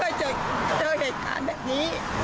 เราถ่ายด้วยเพราะเราไม่เคยเจอเหตุการณ์แบบนี้